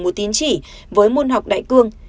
một tín chỉ với môn học đại cương